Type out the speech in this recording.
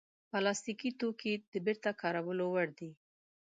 پلاستيکي توکي د بېرته کارولو وړ دي.